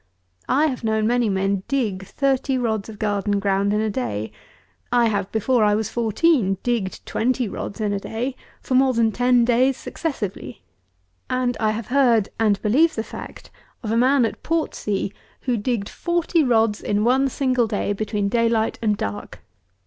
I have known many men dig thirty rods of garden ground in a day; I have, before I was fourteen, digged twenty rods in a day, for more than ten days successively; and I have heard, and believe the fact, of a man at Portsea, who digged forty rods in one single day, between daylight and dark.